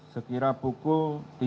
sekira pukul tiga belas